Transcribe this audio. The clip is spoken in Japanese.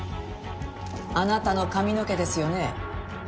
あなたの髪の毛ですよね？